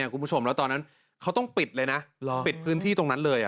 คุณผู้ชมแล้วตอนนั้นเขาต้องปิดเลยนะปิดพื้นที่ตรงนั้นเลย